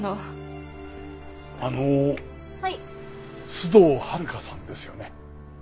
須藤温香さんですよね？